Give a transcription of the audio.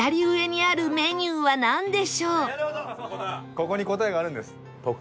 ここに答えがあるんです。